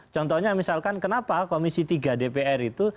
contohnya misalkan kenapa komisi tiga dpr itu